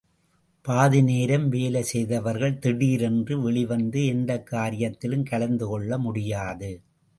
பாதிநேரம் வேலை செய்தவர்கள், திடீரென்று வெளிவந்து எந்தக்காரியத்திலும் கலந்து கொள்ள முடியாது.